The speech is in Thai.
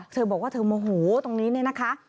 เธอบอกว่าเธอโมโหตรงนี้เนี่ยนะคะ